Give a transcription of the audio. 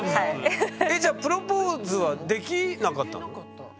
じゃあプロポーズはできなかったの？